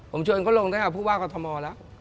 ผมชวนเขาลงได้กับผู้ว่ากอทมแล้ว